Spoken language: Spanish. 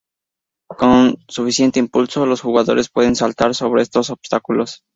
Con suficiente impulso, los jugadores pueden saltar sobre estos obstáculos.